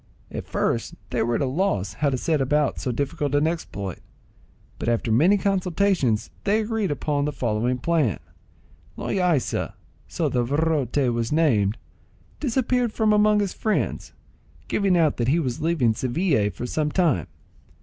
At first they were at a loss how to set about so difficult an exploit; but after many consultations they agreed upon the following plan:—Loaysa (so the virote was named) disappeared from among his friends, giving out that he was leaving Seville for some time.